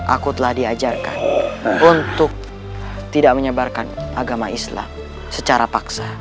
aku telah diajarkan untuk tidak menyebarkan agama islam secara paksa